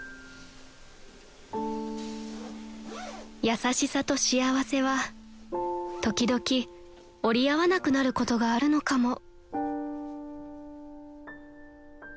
［優しさと幸せは時々折り合わなくなることがあるのかも］